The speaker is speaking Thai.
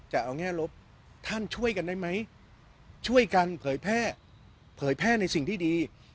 แง่ลบท่านช่วยกันได้ไหมช่วยกันเผยแพร่เผยแพร่ในสิ่งที่ดี